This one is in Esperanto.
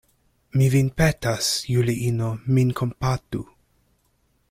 Mi vin petas, Juliino, min kompatu.